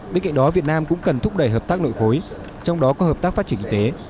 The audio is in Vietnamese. bên cạnh đó việt nam cũng cần thúc đẩy hợp tác nội khối trong đó có hợp tác phát triển kinh tế